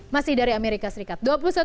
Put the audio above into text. masih dari amerika serikat